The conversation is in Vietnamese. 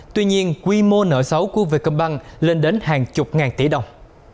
tuy nhiên quy mô nợ xấu của vietcomban lên đến hàng chục ngàn tỷ đồng